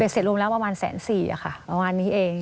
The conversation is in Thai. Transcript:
เสร็จรวมแล้วประมาณ๑๔๐๐บาทค่ะประมาณนี้เอง